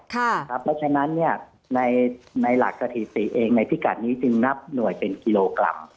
เพราะฉะนั้นในหลักสถิติเองในพิกัดนี้จึงนับหน่วยเป็นกิโลกรัม